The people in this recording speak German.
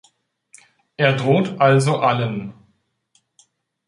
Er droht also allen.